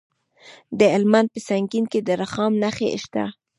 د هلمند په سنګین کې د رخام نښې شته.